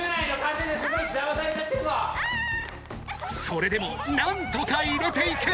それでもなんとか入れていく。